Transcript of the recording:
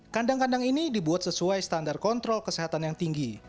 kandang kandang ini dibuat sesuai standar kontrol kesehatan yang tinggi